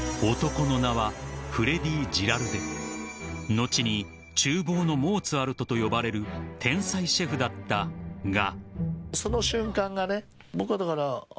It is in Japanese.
［後に厨房のモーツァルトと呼ばれる天才シェフだったが］